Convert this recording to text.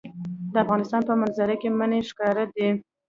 د افغانستان په منظره کې منی ښکاره ده.